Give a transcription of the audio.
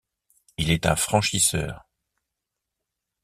Il est un franchiseur.